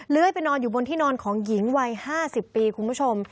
ไปนอนอยู่บนที่นอนของหญิงวัย๕๐ปีคุณผู้ชม